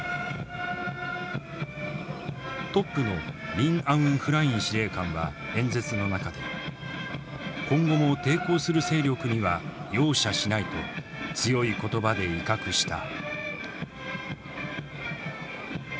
トップのミン・アウン・フライン司令官は演説の中で今後も抵抗する勢力には容赦しないと強い言葉で威嚇した。